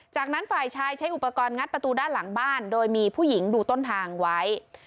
จากนั้นฝ่ายชายใช้อุปกรณ์งัดประตูด้านหลังบ้านโดยมีผู้หญิงดูต้นทางไว้